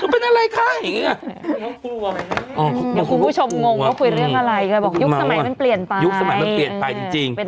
เป็นอะไรค่ะเป็นคุณทรมาน